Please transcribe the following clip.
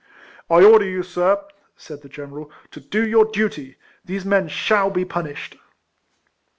" I order you^ sir," said the general, "to do your duty. These men shall be punished."